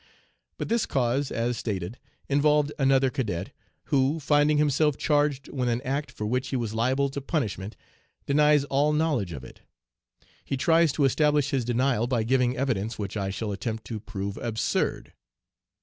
But this cause, as stated, involved another cadet, who, finding himself charged with an act for which he was liable to punishment, denies all knowledge of it. He tries to establish his denial by giving evidence which I shall attempt to prove absurd.